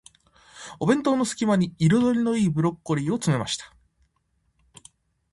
お弁当の隙間に、彩りの良いブロッコリーを詰めました。